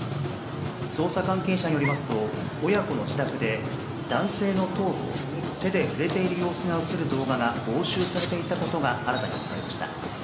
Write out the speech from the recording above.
捜査関係者によりますと親子の自宅で、男性の頭部を手で触れている様子が映る動画が押収されていたことが新たに分かりました。